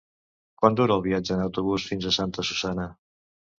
Quant dura el viatge en autobús fins a Santa Susanna?